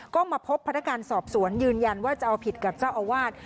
ก็มาพบพนักงานสอบสวนยืนยันว่าจะเอาผิดกับเจ้าอาวาส